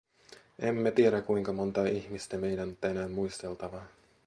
Emme tiedä, kuinka montaa ihmistä meidän on tänään muisteltava.